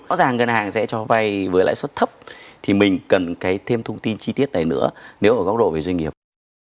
rõ ràng ngân hàng sẽ cho vay với lãi suất thấp thì mình cần cái thêm thông tin chi tiết này nữa nếu ở góc độ về doanh nghiệp